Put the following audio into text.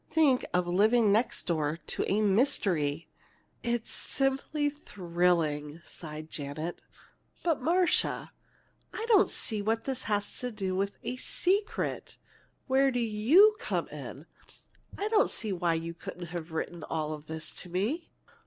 Think of living next door to a mystery!" "It's simply thrilling!" sighed Janet. "But, Marcia, I still don't see what this has to do with a secret. Where do you come in? I don't see why you couldn't have written all this to me."